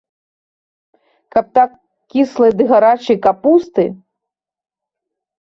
Каб так кіслай ды гарачай капусты.